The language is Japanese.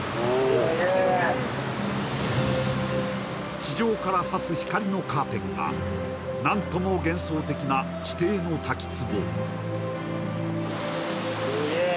地上からさす光のカーテンが何とも幻想的な地底の滝壺。